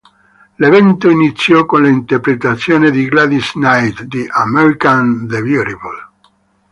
L'evento iniziò con l'interpretazione di Gladys Knight di "America the Beautiful".